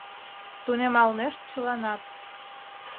Тунемалнешт чыланат.